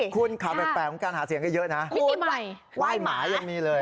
คุณข่าวแปลกของการหาเสียงก็เยอะนะไหว้หมายังมีเลย